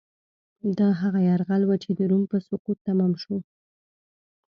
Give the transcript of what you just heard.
دا هغه یرغل و چې د روم په سقوط تمام شو.